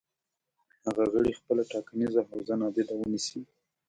هغه غړي خپله ټاکنیزه حوزه نادیده ونیسي.